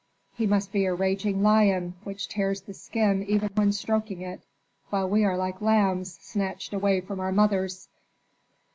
He must be a raging lion, which tears the skin even when stroking it, while we are like lambs snatched away from our mothers."